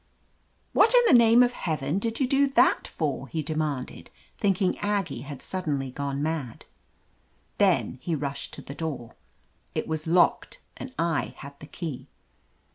"What in the name of Heaven did you do that for?" he demanded, thinking Aggie had suddenly gone mad. Then he rushed to the door. It was locked and 1 had the key